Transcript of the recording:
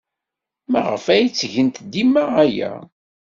Maɣef ay ttgent dima aya?